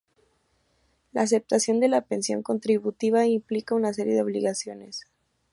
La aceptación de la pensión contributiva implica una serie de obligaciones.